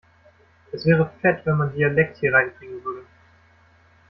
Es wäre fett, wenn man Dialekt hier reinkriegen würde.